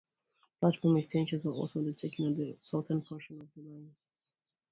Platform extensions were also undertaken on the southern portion of the line.